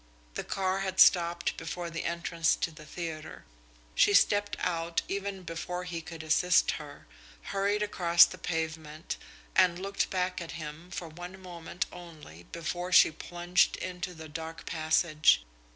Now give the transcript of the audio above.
The car had stopped before the entrance to the theatre. She stepped out even before he could assist her, hurried across the pavement and looked back at him for one moment only before she plunged into the dark passage.